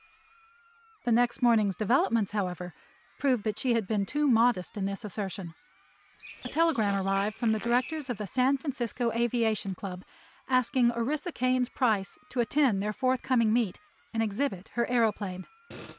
The next morning's developments, however, proved that she had been too modest in this assertion. A telegram arrived from the directors of the San Francisco Aviation Club asking Orissa Kane's price to attend their forthcoming meet and exhibit her aëroplane.